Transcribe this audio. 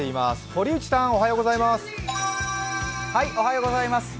堀内さん、おはようございます。